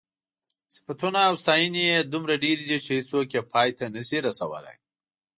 صفتونه او ستاینې یې دومره ډېرې دي چې هېڅوک یې پای ته نشي رسولی.